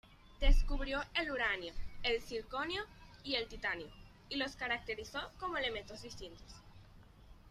Descubrió el uranio, el circonio y el titanio, y los caracterizó como elementos distintos.